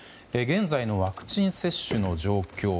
現在のワクチン接種の状況